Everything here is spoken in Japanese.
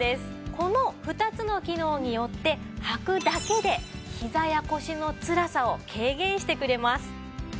この２つの機能によってはくだけでひざや腰のつらさを軽減してくれます。